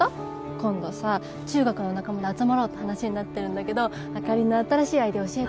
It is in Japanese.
今度さ中学の仲間で集まろうって話になってるんだけど朱里の新しいＩＤ教えて。